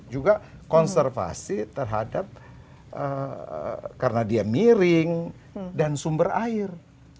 juga konservasi terhadap karena dia miring dan sumber air